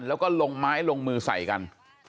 แล้วก็ลงไม้ลงมือใส่กัน